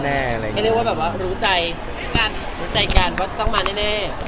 ไม่เรียกว่ารู้ใจกันว่าต้องมาแน่